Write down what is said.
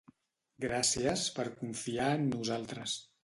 Gràcies per confiar en nosaltres.